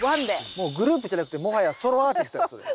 もうグループじゃなくてもはやソロアーティストやそれ。